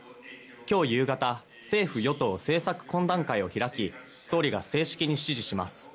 今日夕方政府与党政策懇談会を開き総理が正式に指示します。